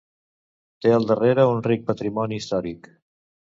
té al darrere un ric patrimoni històric